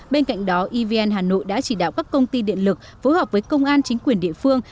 bên cạnh đó evn hà nội đã chỉ đạo các công ty điện lực phối hợp với công an chính quyền địa phương